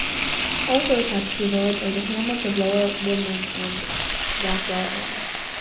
Also attached to the village are the hamlets of Lower Woodend and Rockwell End.